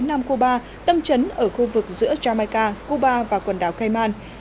nam cuba tâm trấn ở khu vực giữa jamaica cuba và quần đảo kayman